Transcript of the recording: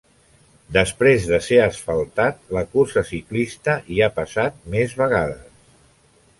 Després de ser asfaltat, la cursa ciclista hi ha passat més vegades.